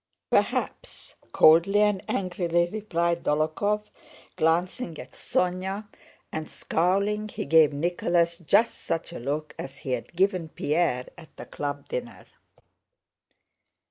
"Perhaps," coldly and angrily replied Dólokhov, glancing at Sónya, and, scowling, he gave Nicholas just such a look as he had given Pierre at the club dinner.